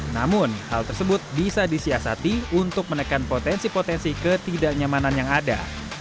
namun hal tersebut bisa disiasati untuk menekan potensi potensi ketidaknyamanan yang ada